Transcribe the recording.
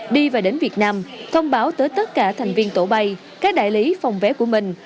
đi và đến việt nam thông báo tới tất cả thành viên tổ bay các đại lý phòng vé của mình